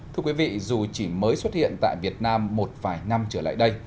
thưa quý vị dù chỉ mới xuất hiện tại việt nam một vài năm trở lại đây